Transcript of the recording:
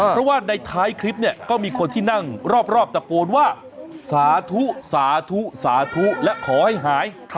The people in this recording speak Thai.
เพราะว่าในท้ายคลิปเนี่ยก็มีคนที่นั่งรอบตะโกนว่าสาธุสาธุสาธุและขอให้หาย